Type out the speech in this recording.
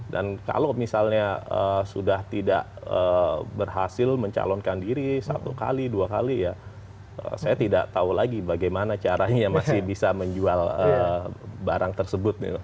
kalau misalnya sudah tidak berhasil mencalonkan diri satu kali dua kali ya saya tidak tahu lagi bagaimana caranya masih bisa menjual barang tersebut